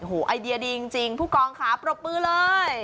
โอ้โหไอเดียดีจริงผู้กองค่ะปรบมือเลย